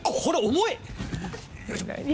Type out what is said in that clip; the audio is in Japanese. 重い！